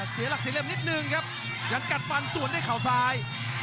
เสียลักษณ์เสียเริ่มนิดนึงกัดฟันส่วนด้วยขาวซาย